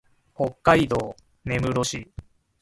北海道根室市